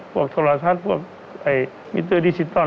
พวกโทรศัตริย์พวกมิเตอร์ดิจิตอล